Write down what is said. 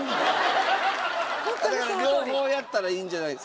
だから両方やったらいいんじゃないか。